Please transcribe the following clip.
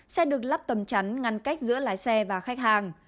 xe được lắp tầm chắn ngăn cách giữa lái xe và khách hàng